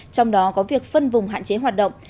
trong đó có việc phân vùng hạn chế hoạt động